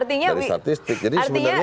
dari statistik artinya